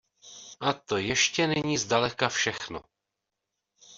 A to ještě není zdaleka všechno...